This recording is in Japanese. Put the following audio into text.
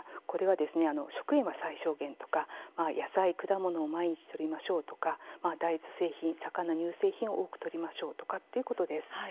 これは食塩は最小限とか野菜、果物を毎日とりましょうとか大豆製品、魚、乳製品を多くとりましょうということです。